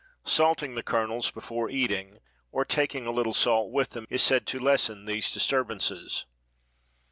Salting the kernels before eating or taking a little salt with them is said to lessen these disturbances.